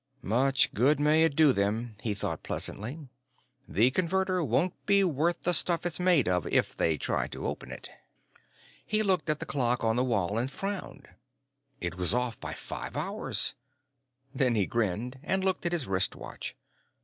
Much good it may do them, he thought pleasantly. The Converter won't be worth the stuff it's made of if they try to open it. He looked at the clock on the wall and frowned. It was off by five hours. Then he grinned and looked at his wrist watch.